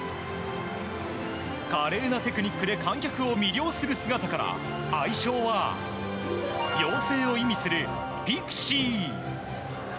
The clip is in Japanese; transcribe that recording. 華麗なテクニックで観客を魅了する姿から愛称は、妖精を意味するピクシー。